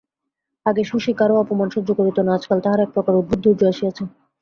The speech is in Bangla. আগে শশী কারো অপমান সহ্য করিত না, আজকাল তাহার একপ্রকার অদ্ভুত ধৈর্য আসিয়াছে।